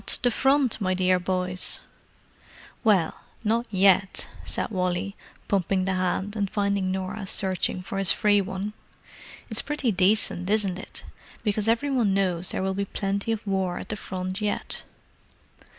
"Not the Front, my dear boys!" "Well, not yet," said Wally, pumping the hand, and finding Norah's searching for his free one. "It's pretty decent, isn't it? because every one knows there will be plenty of war at the Front yet."